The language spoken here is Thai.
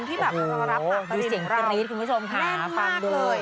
ที่แบบรับหักประดิษฐ์ของเราแน่นมากเลยดูเสียงกรี๊ดคุณผู้ชมค่ะฟังด้วย